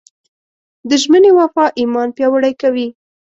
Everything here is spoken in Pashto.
د ژمنې وفا ایمان پیاوړی کوي.